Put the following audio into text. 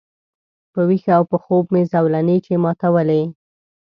په ویښه او په خوب مي زولنې چي ماتولې